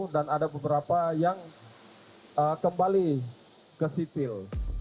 dan ada beberapa yang kembali ke sipil